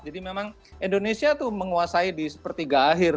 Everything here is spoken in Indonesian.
jadi memang indonesia itu menguasai di sepertiga akhir